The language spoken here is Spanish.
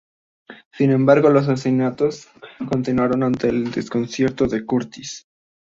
Sin embargo, los asesinatos continuaron ante el desconcierto de Curtis.